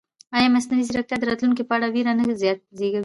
ایا مصنوعي ځیرکتیا د راتلونکي په اړه وېره نه زېږوي؟